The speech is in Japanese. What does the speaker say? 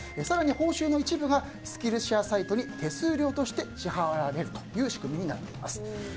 更に、報酬の一部がスキルシェアサイトに手数料として支払われるという仕組みになっています。